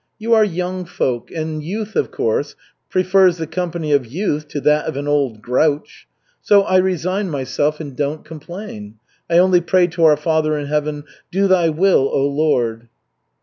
You are young folk, and youth, of course, prefers the company of youth to that of an old grouch. So, I resign myself and don't complain. I only pray to Our Father in Heaven, 'Do Thy will, oh Lord!'"